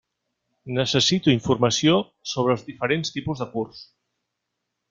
Necessito informació sobre els diferents tipus de curs.